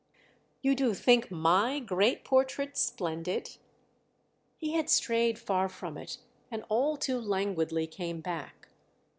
"You do think my great portrait splendid?" He had strayed far from it and all too languidly came back.